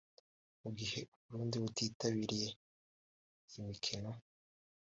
mu gihe u Burundi butitabiriye iyi mikino